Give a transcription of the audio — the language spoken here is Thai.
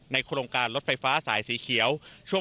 โครงการรถไฟฟ้าสายสีเขียว